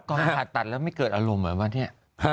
ผ่าตัดแล้วไม่เกิดอารมณ์เหรอวะเนี่ย